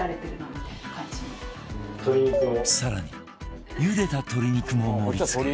更にゆでた鶏肉も盛り付け